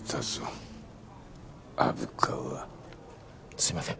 すいません。